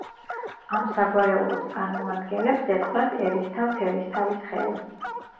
ამ საგვარეულოს წარმომადგენლებს ეპყრათ ერისთავთ-ერისთავის ხელი.